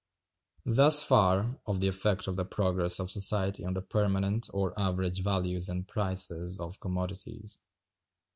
Thus far, of the effect of the progress of society on the permanent or average values and prices of commodities.